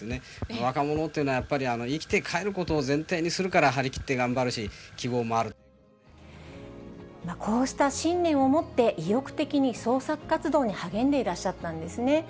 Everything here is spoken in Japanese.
若者というのはやっぱり生きてかえることを前提にするから、こうした信念を持って、意欲的に創作活動に励んでいらっしゃったんですね。